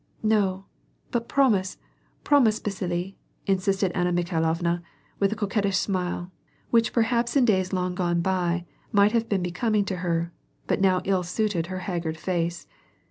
" No, but promise, promise, Basile," insisted Anna Mikhai lovna, with a coquettish smile, which perhaps in days long gone by, might have been becoming to her, but now ill suited her haggard face.